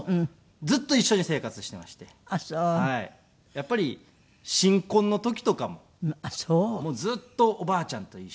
やっぱり新婚の時とかもずっとおばあちゃんと一緒。